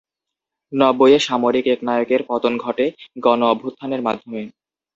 নব্বইয়ে সামরিক একনায়কের পতন ঘটে গণ অভ্যুত্থানের মাধ্যমে।